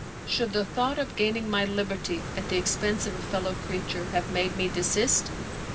Should the thought of gaining my liberty at the expense of a fellow creature have made me desist?